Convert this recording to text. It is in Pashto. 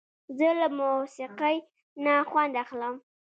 زه له موسیقۍ نه خوند اخلم.